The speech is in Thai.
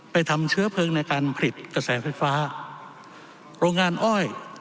ทำเชื้อเพลิงในการผลิตกระแสไฟฟ้าโรงงานอ้อย